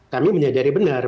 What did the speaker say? kami menyadari benar